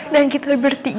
dan kita bertiga